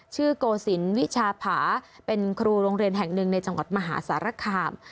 โกศิลป์วิชาผาเป็นครูโรงเรียนแห่งหนึ่งในจังหวัดมหาสารคาม